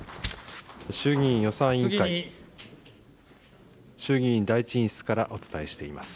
衆議院予算委員会、衆議院第１委員室からお伝えしています。